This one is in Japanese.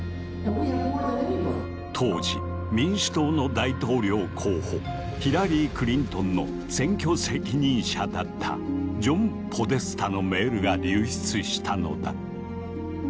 当時民主党の大統領候補ヒラリー・クリントンの選挙責任者だったジョン・ポデスタのメールが流出したのだ。